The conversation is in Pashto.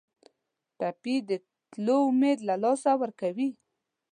ټپي د تلو امید له لاسه ورکوي.